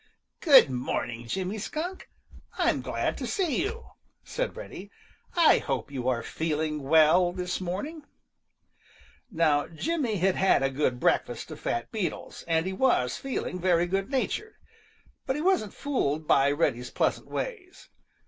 "Good morning, Jimmy Skunk. I'm glad to see you," said Reddy. "I hope you are feeling well this morning." Now Jimmy had had a good breakfast of fat beetles, and he was feeling very good natured. But he wasn't fooled by Reddy's pleasant ways.